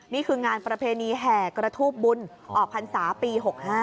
นี่คืองานประเพณีแห่กระทูบบุญออกพรรษาปี๖๕